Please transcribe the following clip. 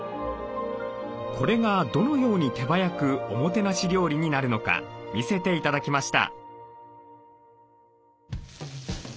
これがどのように手早くおもてなし料理になるのか見せて頂きました。